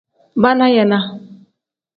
Baana yeenaa.